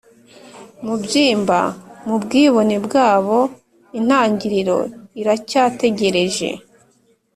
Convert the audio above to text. mubyimba mubwibone bwabo, intangiriro iracyategereje.